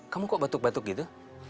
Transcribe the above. kamu kok batuk batuk gitu